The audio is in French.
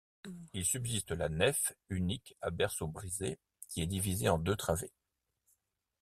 Il subsiste la nef, unique à berceau brisé, qui est divisée en deux travées.